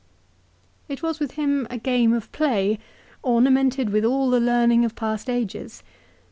It was with him a game of play, ornamented with all the learning of past ages.